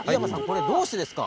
どうしてですか？